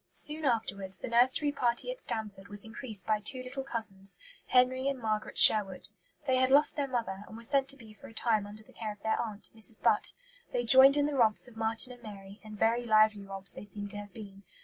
Soon afterwards the nursery party at Stanford was increased by two little cousins, Henry and Margaret Sherwood. They had lost their mother, and were sent to be for a time under the care of their aunt, Mrs. Butt. They joined in the romps of Marten and Mary, and very lively romps they seem to have been.